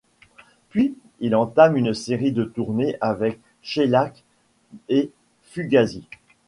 Puis, ils entament une série de tournées avec Shellac et Fugazi.